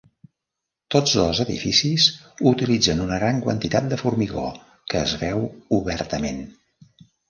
Tots dos edificis utilitzen una gran quantitat de formigó, que es veu obertament.